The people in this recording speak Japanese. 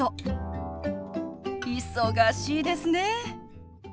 忙しいですね。